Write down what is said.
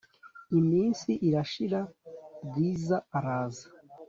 Iminsi irashira bwiza araza